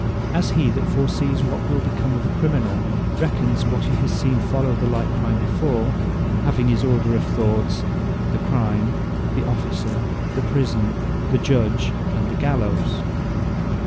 As he that foresees what wil become of a Criminal, re cons what he has seen follow on the like Crime before; having this order of thoughts, The Crime, the Officer, the Prison, the Judge, and the Gallowes.